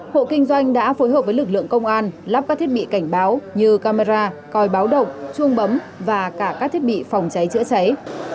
hộ kinh doanh đã phối hợp với lực lượng công an lắp các thiết bị cảnh báo như camera coi báo động chuông bấm và cả các thiết bị phòng cháy chữa cháy